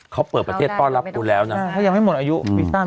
เขาเปิดประเทศป้อนรับกูแล้วน่ะเธอยังไม่หมดอายุอืม